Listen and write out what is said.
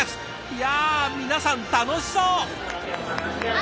いや皆さん楽しそう！